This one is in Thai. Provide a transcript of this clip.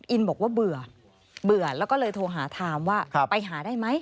อินบอกว่าเบื่อเบื่อแล้วก็เลยโทรหาไทม์ว่าไปหาได้ไหม